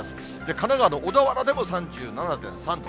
神奈川の小田原でも３７．３度。